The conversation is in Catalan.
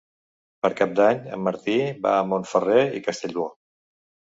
Per Cap d'Any en Martí va a Montferrer i Castellbò.